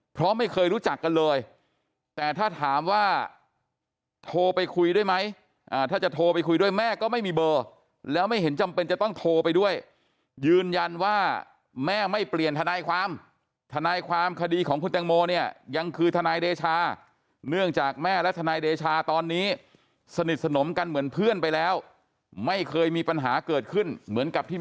เพราะไม่เคยรู้จักกันเลยแต่ถ้าถามว่าโทรไปคุยด้วยไหมถ้าจะโทรไปคุยด้วยแม่ก็ไม่มีเบอร์แล้วไม่เห็นจำเป็นจะต้องโทรไปด้วยยืนยันว่าแม่ไม่เปลี่ยนทนายความทนายความคดีของคุณแตงโมเนี่ยยังคือทนายเดชาเนื่องจากแม่และทนายเดชาตอนนี้สนิทสนมกันเหมือนเพื่อนไปแล้วไม่เคยมีปัญหาเกิดขึ้นเหมือนกับที่มี